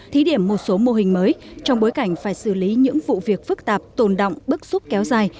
thí điểm một số mô hình mới trong bối cảnh phải xử lý những vụ việc phức tạp tồn động bức xúc kéo dài